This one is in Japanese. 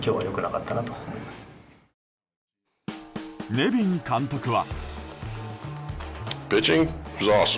ネビン監督は。